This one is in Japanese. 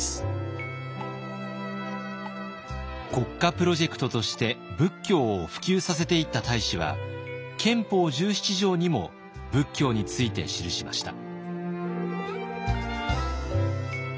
国家プロジェクトとして仏教を普及させていった太子は憲法十七条にも仏教について記しました。